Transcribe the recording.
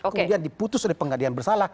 kemudian diputus oleh pengadilan bersalah